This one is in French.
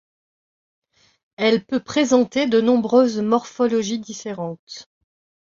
Elle peut présenter de nombreuses morphologies différentes.